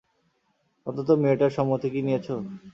অন্তত মেয়েটার সম্মতি কি নিয়েছ?